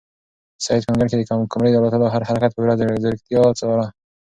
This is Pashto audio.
سعید په انګړ کې د قمرۍ د الوتلو هر حرکت په پوره ځیرکتیا څاره.